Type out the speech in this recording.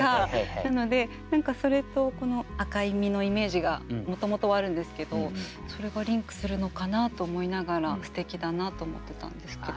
なので何かそれと赤い実のイメージがもともとはあるんですけどそれがリンクするのかなと思いながらすてきだなと思ってたんですけど。